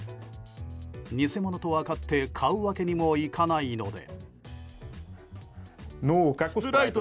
偽物と分かって買うわけにもいかないので。